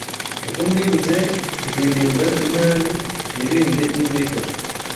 Uko mbibutse nzirinda inabi, nirinde inzika